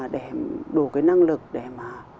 đủ cái năng lực để mà